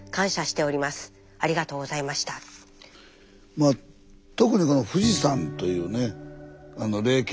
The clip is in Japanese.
まあ特にこの富士山というね霊験